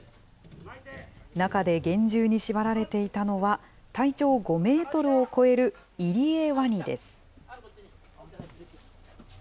中で厳重に縛られていたのは、体長５メートルを超えるイリエワニです。